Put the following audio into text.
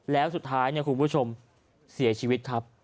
แล้วสุดท้ายเนี่ยคุณผู้ชมเสียชีวิตครับ